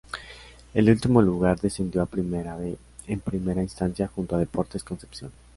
El último lugar descendió a Primera B, en primera instancia junto a Deportes Concepción.